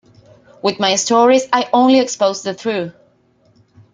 With my stories, I only expose the truth.